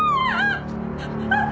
あっ！